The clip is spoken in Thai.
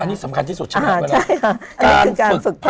อันนี้สำคัญที่สุดใช่ไหมล่ะ